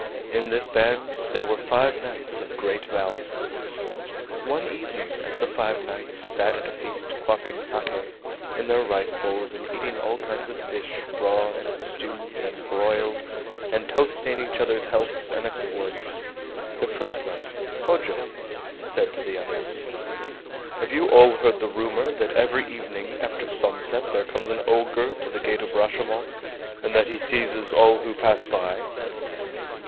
In this band there were five knights of great valor. One evening as the five knights sat at a feast quaffing SAKE in their rice bowls and eating all kinds of fish, raw, and stewed, and broiled, and toasting each other's healths and exploits, the first knight, Hojo, said to the others: "Have you all heard the rumor that every evening after sunset there comes an ogre to the Gate of Rashomon, and that he seizes all who pass by?"